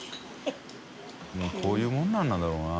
發こういうもんなんだろうな。